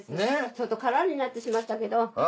ちょっと空になってしまったけど。